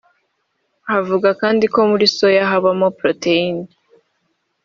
Bavuga kandi ko muri soya habamo protein